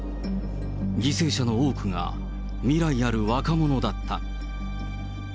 犠牲者の多くが、未来ある若者だった。